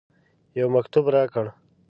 یو مکتوب راکړ.